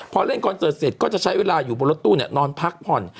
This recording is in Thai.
พอเล่นคอนเสิร์ตเสร็จก็จะใช้เวลาอยู่บนรถตู้นอนพักผ่อน